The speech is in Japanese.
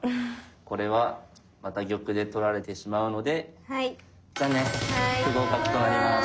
これはまた玉で取られてしまうので残念不合格となります。